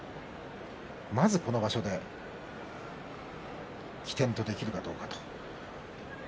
まず、この場所で基点とできるかどうかと。